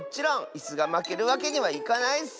いすがまけるわけにはいかないッス！